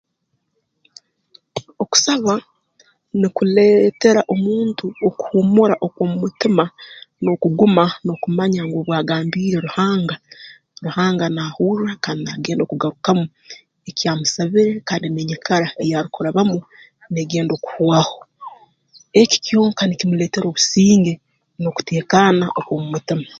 Okusaba nukuleetera omuntu okuhuumura okw'omu mutima nookuguma nookumanya ngu obu agambiire Ruhanga Ruhanga naahurra kandi naagenda okugarukamu eki amusabire kandi n'enyikara ei arukurabamu neegenda okuhwaho eki kyonka nikimuleetera obusinge n'okuteekaana okw'omu mutima